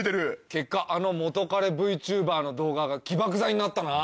結果あの元カレＶＴｕｂｅｒの動画が起爆剤になったな。